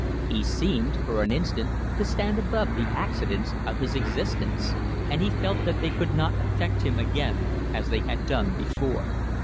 He seemed for an instant to stand above the accidents of his existence, and he felt that they could not affect him again as they had done before.